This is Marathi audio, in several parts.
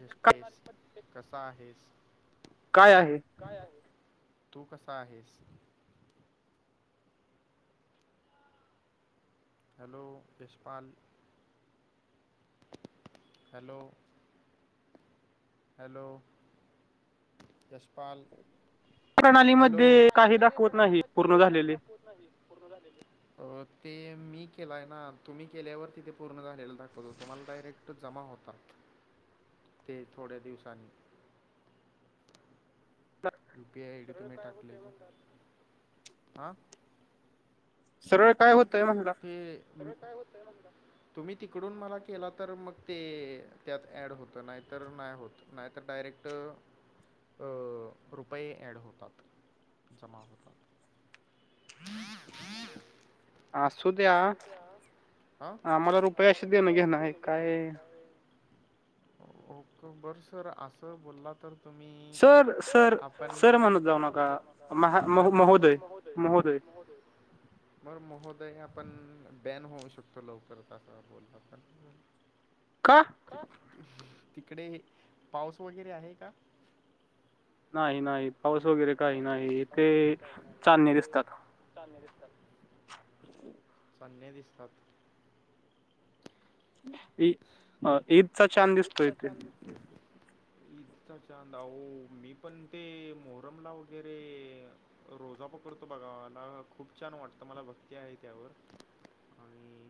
रिस्पॉन्स कसा आहेस काय आहे तू कसा आहेस. Hello Yashpal. Hello! Hello! Yashpal hello माझ्या कार्यप्रणाली मध्ये काही दाखव नाही पूर्ण झालेली. अ ते मी केलाय ना तुम्ही केल्यावर तिथे पूर्ण झालेलं दाखवतो, तुम्हाला डायरेक्ट तिथं जमा होतात. ते थोड्या दिवसांनी. तर [unintelligible] युपी आय इड तुम्ही टाकले ह. सरवळ काय होत. ते. तुम्ही तिकडून मला केला तर मग ते त्यात ऍड होतं नाही तर नाही होतं. नाही तर डायरेक्ट रुपये ॲड होतात. जमा होतात. आसू ते आ. हा आम्हाला रुपया किती देण घे ना काय. ओक बरं सर असं बोलला तर? तुम्ही तर आपण तर माणूस जाऊ नका आपण [unintelligible] बरं महोदय हे आप आपण बॅन होऊ शकतो लवकर असं अ बोलला तर. का? का तिकडे पाऊस वगैरे आहे का? नाही, नाही पाऊस वगैरे काही नाही ते चांदणे दिसतात चांदण्या दिसतात. ह [inaudible] चांदण्या दिसतात. ई अ ईदचा चांद दिसतो इथे. ईदचा चांंद अहो मी पण ते मोहरमला वगैरे रोजा पकडतो बघा मला खूप छान वाटतं मला भक्ती आहे त्यावर आणि.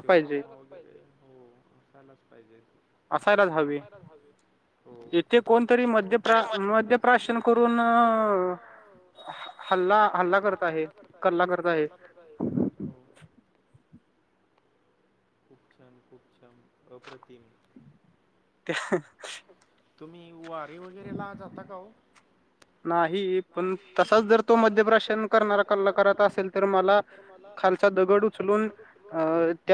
शरू कर हो असायलाच पाहिजे [unintelligible] आसायला च हवे. होथेणतरी म मध्य प्र्राशन करून [unintelligible] हल्ला हल्ला करत आहे कल्ला करत आहे. खूप छान खूप छम अप्रतिम हे. ते [inaudible] तुम्ही वारी वगैरेला जाता का हो? नाही पण तसाच जर तो मध्य प्राशन करणारा कल्लाकारचा असेल. तर मला खालचा दगड उचलून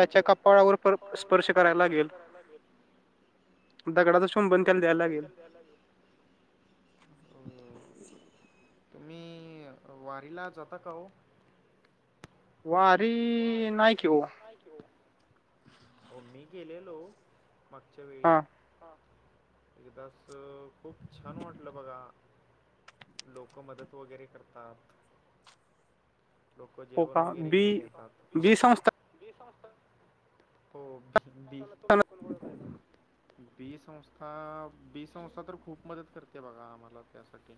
अ त्या त्या कपाळावर स्पर्श करायला लागलेत दगडाचा सोन त्याला द्यायला लागेल. हो तुम्ही वारीला जाता का हो? वारी वारी नाही की ओ. हो मी गेलेलो मागच्या वेळी. एकदाच खूप छान वाटलं बघा. लोकं मदत वगैरे करतात. लोकं जेवण वगैरे घेऊन येतात हो हो भी भला तुम चकून बळत आहे का बीसंस्था बीसंस्था तर खूप मदत करते बघा आम्हाला त्यासाठी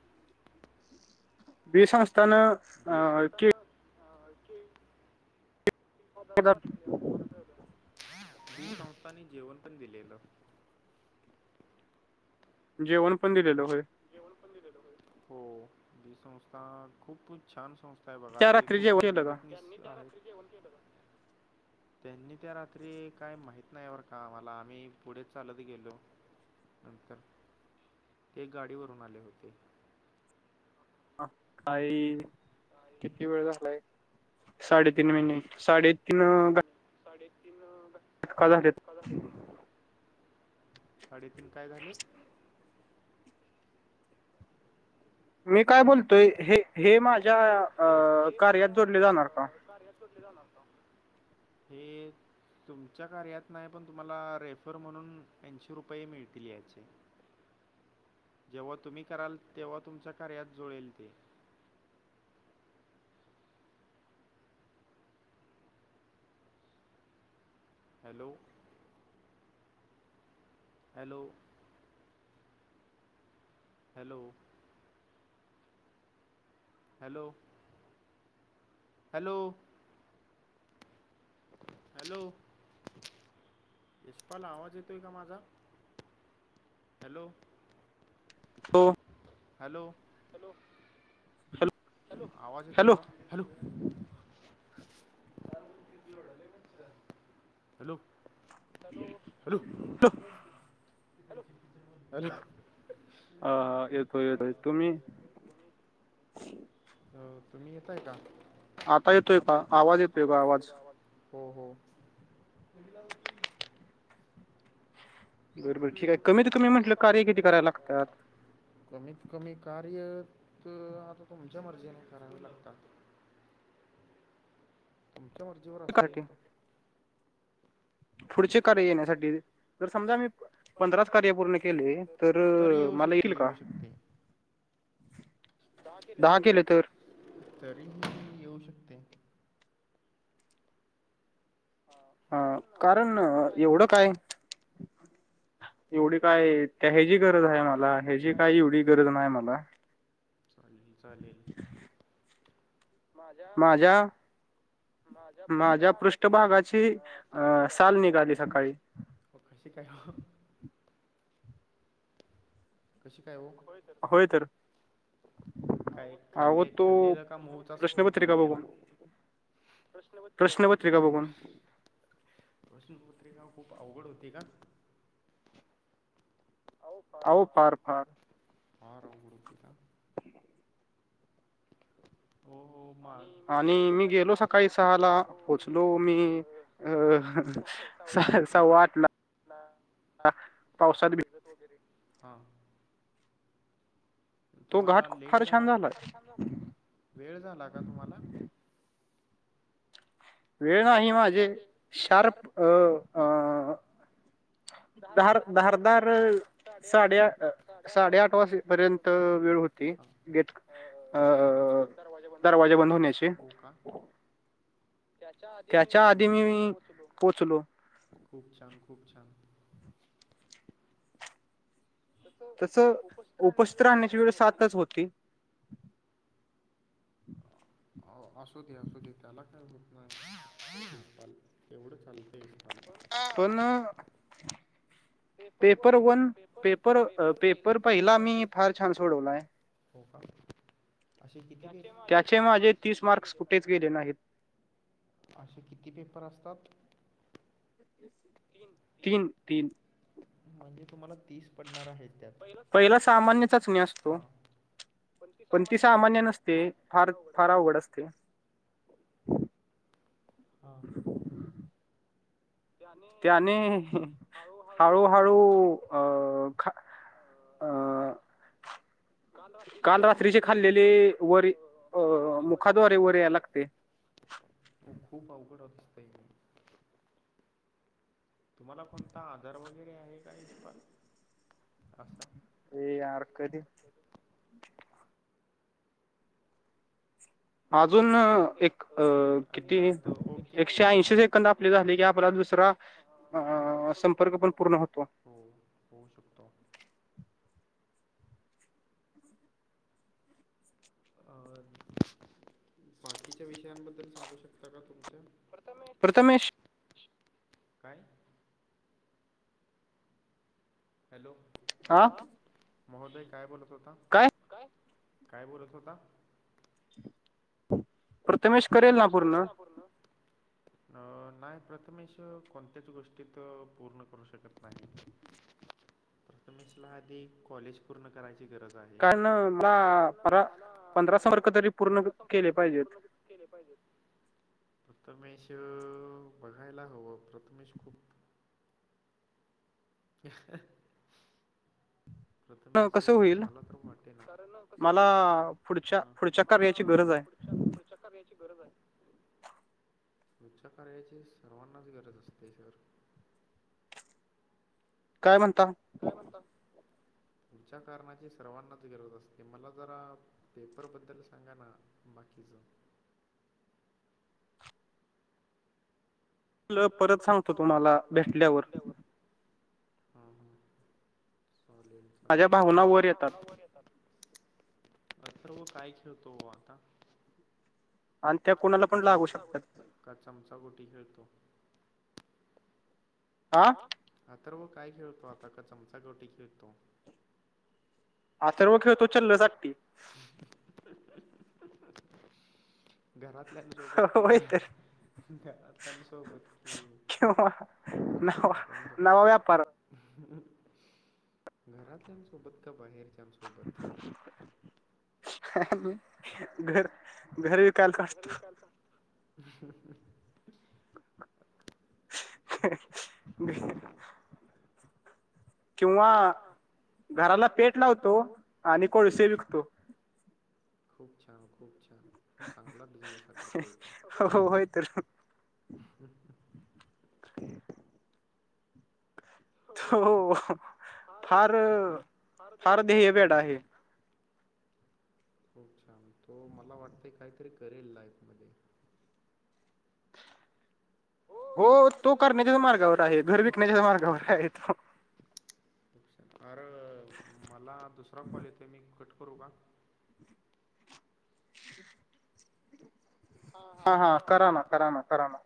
ब संस्थान ह संस्थान अ पदाच वाटली बी संस्थांनी जेवण पण दिलेलं जेवण पण दिलेल होय हो ही संस्था खूप छान संस्था य बघा ते खूप मदत त्यांनी त्या रात्री काय माहित नाहीवर का मला आम्ही पुढेच चालत गेलो नंतर ते गाडीवररून आले होते काही किती वेळ झालाय साडेतीीन महिने साडे साडेतीन म्हज साडेतीन क झालेेत साडेतीीन काय झाले मी काय बोलतोय हे हे माझ्या अ कार्यात जोडले जाणार का कारच कठले झालंता हे तुमच्या कार्यात नाही पण तुम्हाला रेफर म्हणून ऐंशी रुपये मिळतील याचे जेव्हा तुम्ही कराल तेव्हा तुमच्या कार्यात जुळेल ते hello hello hello hello hello hello हशपाल आवाज येतोय का माझा हॅलो हो हॅलो हॅलो हॅलो हॅलो आवाज येतोय का हॅलो हॅलो हॅलो हॅलो [inaudible] हो तुम्ही येताय का आता येतोय का आवाज येतो आवाजेतवा हो हो मी तरुम्ही म्हटलं कार्य किती करायला लागते कमीत कमी कार्यत आता तुमच्या मर्जीने करावे लागतात तुमच्या मर्जीवरर असते पुढचे कार्य येण्यासाठी समजा आम्ही पंधराच कार्य पूर्ण केले तर तर येऊ शकते येऊ शकते दहा केले तर तरीही येऊ शकते हा कारण एवढं काय एवढी काय ह्याची गरज आहे मला ह्याची काय एवढी गरज नाही मला चालेल चालेल माझ्या माझ्या पृष्ठभागाची अ साल निघाली सकाळी हो खयस काय कशी काय हो होय तर काय खाल्ले खाल्लेलं का मवचा स्प्रे मारलेला प्रश्नपत्रिका बघून रसन पत्रिका खूप अवघड होती का अह काार पा हारव हुडकीित हो हो आणि मी गेलो सकाळी सहाला पोहोचलो मी अ ससा वाटला पावसात भिजत वगैरे हा तुम्हाला लेट झाला वेळ झाला का तुम्हाला वेळ नाही माझे शार्प अ अ दार दारदार साडेआठ साडेआठ वाजेपर्यंत वेळ होती घेत अं दरवाजे बंद होण्याचे त्याच्या आधी मी मी पोहोचलो खूप छान खूप छान तसं उपस्थ्र आणण्याची वेळ सातच होती असू दे असू दे त्याला काय होत नाही तेवढं चालतय त पेपर वन पेपर पेपर पहिला मी फार छान सोडवला आहे हो का असे कचे माझे तीस मार्स कुठे गेले नाही चेनग असे किती पेपर असतात तीन तीन तीन म्हणजे तुम्हाला तीस पडणार आहेत त्यात सामान्यतच नाही असतो हा पण ती सामान्य नसते फार फार अवघड असते ओके हां त्याने हळूहळू अ ख काल रात्रीची खाल्लेली वर अ मुखाद्वारे वर आहे त्या लागते व खूप अवघड असऑफच पाहिली तुम्हाला कोणता आधार वगैरे आहे का इसपाल असता ए आर्कररी अजून एक अ अशे ऐंशी एकंद आपली झाली की परत दुसरा अ संपर्क पण पूर्ण होतो हो हो शकतो अ बाकीच्या विषयांबद्दल सांगू शकता का तुमच्या प्रथमे श् काय हॅलो महोदय काय बोलत होता काय काय बोलत होता प्रथमेश करेल ना पूर्ण अ नाही प्रथमेश कोणत्याच गोष्टीत पूर्ण करू शकत नाही प्रथमेशला आधी कॉलेज पूर्ण करायची गरज आहे कारण मला पंधरा पंधरा संपर्क तरी पूर्ण पाहिज प्रथमेश बघायला हवं प्रथमेश खूप ते प्रथमेश मला तर वाटते ना कारण कस होईल ह मला पुढच्या आप चक्कर यायची गरज आहे त्वच्या कार्याची सर्वांनाच गरज असते सर काय म्हणता काय म्हणत तुमच्या कारणाची सर्वांनाच गरज असते मला जरा पेपरबद्दल सांगा ना बाकीच परत सांगतो तुम्हाला भेटल्यावर लेले माझ्या बगला वर येतात तर व काय खेळतो आता काचामचा गोटी खेळतो हा तर व काय खेळतो आता का चमचा गोटी खेळतो हाते वखे तो चलले चकी घरातल्यांसोबत कय त्यांसोबत कि्याप घरातल्यांसोबत का बाहेरच्यासोबत घर घर स विकालतत का का ब किंवा घराला पेट नव्हतो आणि कोळसे विकतो खूप छान खूप छान चांगला बिझनेस ह करतोय तो हो फार फार तेय बेड आहे खूप छान तो मला वाटतंय काहीतरी करेल लाईफ मध्ये हो तो करण्याच्याच मार्गावर आहे घर विकण्याच्या मार्गावर आहे तो पश अर मला दुसरा कॉल येतो आहे मी कट करू का हा हा करा ना करा ना कराम